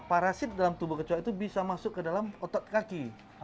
parasit dalam tubuh kecok itu bisa masuk ke dalam otot kaki